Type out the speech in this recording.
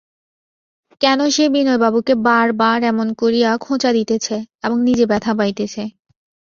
কেন সে বিনয়বাবুকে বার বার এমন করিয়া খোঁচা দিতেছে এবং নিজে ব্যথা পাইতেছে?